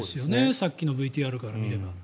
さっきのＶＴＲから見れば。